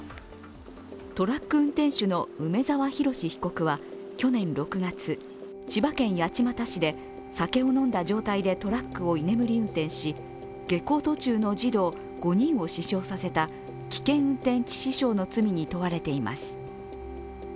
トラック運転手の梅沢洋被告は去年６月、千葉県八街市で酒を飲んだ状態でトラックを居眠り運転し、下校途中の児童５人を死傷させた危険運転致死傷の罪に問われています。